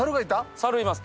猿います。